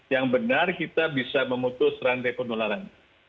yang benar kita bisa memutus rantai penularan